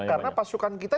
karena pasukan kita